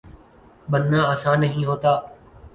بننا آسان نہیں ہوتا